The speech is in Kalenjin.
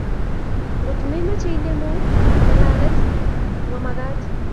Ngot ko memache inemu ngalalet ko mamakat